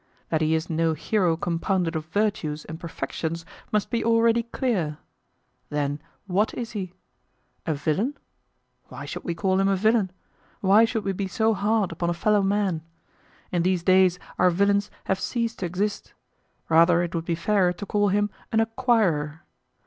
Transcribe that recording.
That he is no hero compounded of virtues and perfections must be already clear. Then WHAT is he? A villain? Why should we call him a villain? Why should we be so hard upon a fellow man? In these days our villains have ceased to exist. Rather it would be fairer to call him an ACQUIRER.